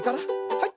はい。